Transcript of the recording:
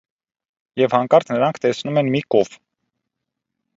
Եվ հանկարծ նրանք տեսնում են մի կով։